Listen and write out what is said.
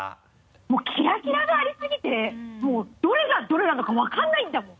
もうキラキラがありすぎてもうどれがどれなのか分からないんだもん。